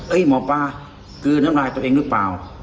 เอ้ยหมอป้าคือน้ำลายตัวเองหรือเปล่า